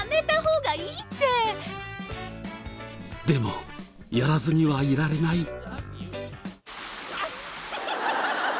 でもやらずにはいられない。